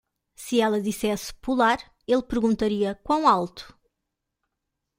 Se ela dissesse "pular", ele perguntaria "quão alto?"